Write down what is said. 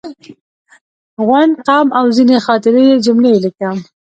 غونډ، قوم او ځینې خاطرې یې جملې ولیکم.